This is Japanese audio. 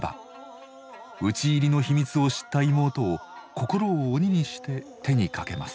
討ち入りの秘密を知った妹を心を鬼にして手にかけます。